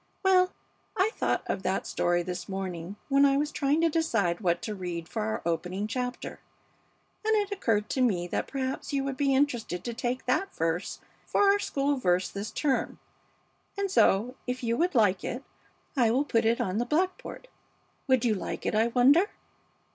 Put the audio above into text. Well, I thought of that story this morning when I was trying to decide what to read for our opening chapter, and it occurred to me that perhaps you would be interested to take that verse for our school verse this term, and so if you would like it I will put it on the blackboard. Would you like it, I wonder?"